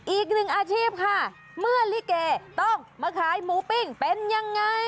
อีกหนึ่งอาชีพค่ะเมื่อลิเกต้องมาขายหมูปิ้งเป็นยังไง